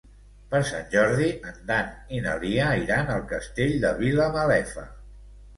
Per Sant Jordi en Dan i na Lia iran al Castell de Vilamalefa.